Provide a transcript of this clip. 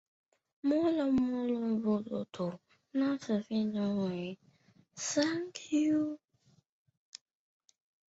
台湾光姬蝽为姬蝽科光姬蝽属下的一个种。